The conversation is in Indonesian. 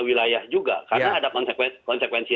wilayah juga karena ada konsekuensi